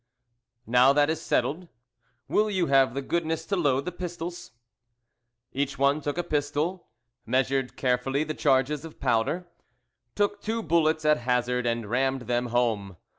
"Now that is settled, will you have the goodness to load the pistols?" Each one took a pistol, measured carefully the charges of powder, took two bullets at hazard, and rammed them home.